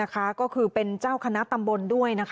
ก็คือเป็นเจ้าคณะตำบลด้วย